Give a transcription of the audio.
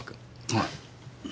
はい。